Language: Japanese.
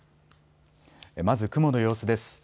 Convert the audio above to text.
まず雲の様子です。